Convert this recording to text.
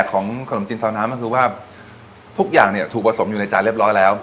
ของขนมจีนซาวน้ำก็คือว่าทุกอย่างเนี่ยถูกผสมอยู่ในจานเรียบร้อยแล้ว